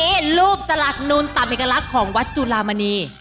นี่รูปสลักนูนตามเอกลักษณ์ของวัดจุลามณี